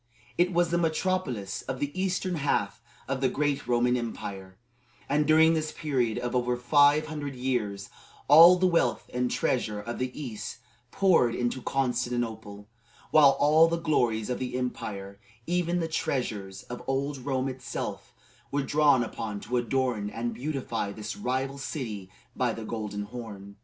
It was the metropolis of the eastern half of the great Roman Empire, and during this period of over five hundred years all the wealth and treasure of the east poured into Constantinople, while all the glories of the empire, even the treasures of old Rome itself, were drawn upon to adorn and beautify this rival city by the Golden Horn.